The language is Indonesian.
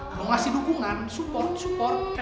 kalau ngasih dukungan support support